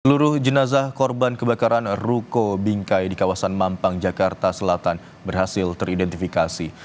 seluruh jenazah korban kebakaran ruko bingkai di kawasan mampang jakarta selatan berhasil teridentifikasi